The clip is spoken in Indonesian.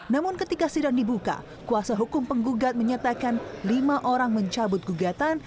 namun ketika sidang dibuka kuasa hukum penggugat menyatakan lima orang mencabut gugatan